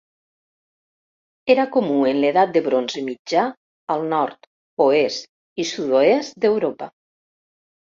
Era comú en l'edat de bronze mitjà al nord, oest i sud-oest d'Europa.